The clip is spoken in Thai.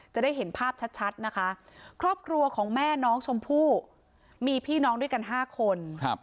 จะได้เห็นภาพชัดนะคะครอบครัวของแม่น้องชมพู่มีพี่น้องด้วยกัน๕คน